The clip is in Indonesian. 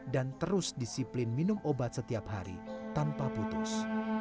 dan terus disiplin minum obat setiap hari tanpa putus